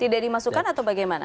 tidak dimasukkan atau bagaimana